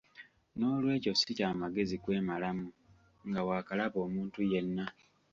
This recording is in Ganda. Nolwekyo si kya magezi kwemalamu nga waakalaba omuntu yenna.